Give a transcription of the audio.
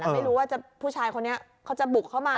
ไม่รู้ว่าผู้ชายคนนี้เขาจะบุกเข้ามา